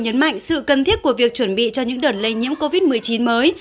nhấn mạnh sự cần thiết của việc chuẩn bị cho những đợt lây nhiễm covid một mươi chín mới